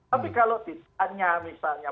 tapi kalau ditanya misalnya